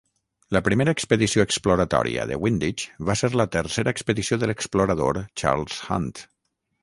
La primera expedició exploratòria de Windich va ser la tercera expedició de l'explorador Charles Hunt.